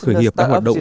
khởi nghiệp đã hoạt động